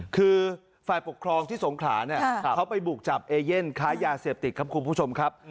คือฝ่ายปกครองที่สงขลาเนี่ยเขาไปบุกจับเอเย่นค้ายาเสพติดครับคุณผู้ชมครับ